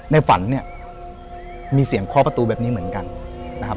ในฝันเนี่ยมีเสียงเคาะประตูแบบนี้เหมือนกันนะครับ